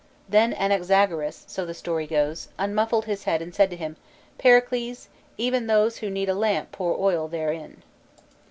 Then Anaxagoras—so the story goes —unmuffied his head and said to him, " Pericles, even those who need a lamp pour oil therein."